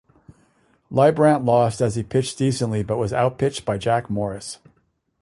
Leibrandt lost as he pitched decently but was outpitched by Jack Morris.